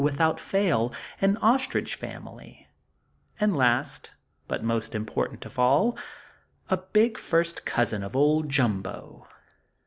without fail, an ostrich family; and, last, but most important of all, a big first cousin of old Jumbo!